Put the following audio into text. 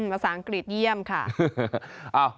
ภาษาอังกฤษเยี่ยมค่ะ